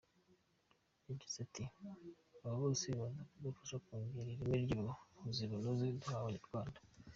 Yagize ati “Aba bose baza kudufasha kongera ireme ry’ubuvuzi bunoze duha Abanyarwanda.